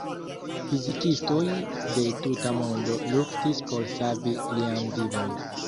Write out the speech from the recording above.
Fizikistoj de tuta mondo luktis por savi lian vivon.